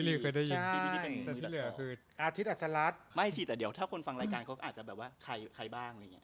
บ้าพี่ลีไงพี่ลี